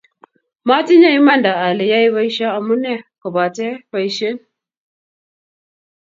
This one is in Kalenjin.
Matinye imanda ale yae poisyo amune, kopate poisyen